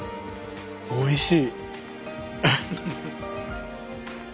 おいしい。